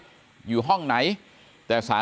ผู้หญิงที่เป็นผู้หญิงที่ถูกทำร้ายนะครับ